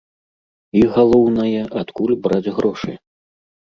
І, галоўнае, адкуль браць грошы?